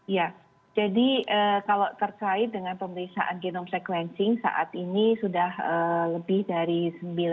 ya jadi kalau terkait dengan pemeriksaan hogenum sequencing saat ini sudah lebih dari sembilan enam ratus hogenum sequencing ya